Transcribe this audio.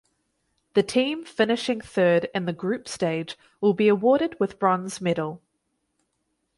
The team finishing third in the Group Stage will be awarded with bronze medal.